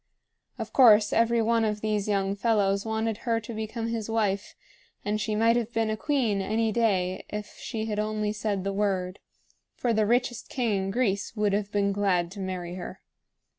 Of course every one of these young fellows wanted her to become his wife; and she might have been a queen any day if she had only said the word, for the richest king in Greece would have been glad to marry her.